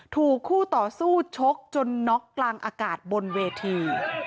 ถูกคู่ต่อสู้ชกจนน็อกกลางอากาศบนเวที